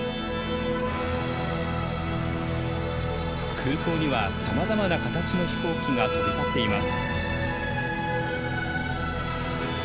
空港にはさまざまな形の飛行機が飛び交っています。